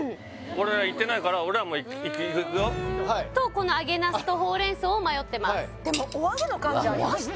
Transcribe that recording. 俺はいってないから俺はもういくよはいとこの揚げ茄子とほうれん草を迷ってますでもお揚げの感じありました？